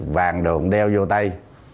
vàng đồ đeo vô tay